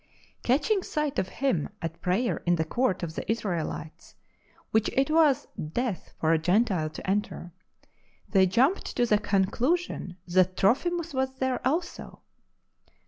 Catching sight of him at prayer in the court of the Israelites, which it was death for a Gentile to enter, they jumped to the con clusion that Trophimus was there also.